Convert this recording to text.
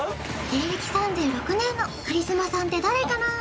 芸歴３６年のカリスマさんって誰かなー？